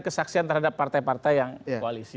kesaksian terhadap partai partai yang koalisi